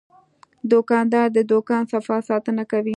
دوکاندار د دوکان صفا ساتنه کوي.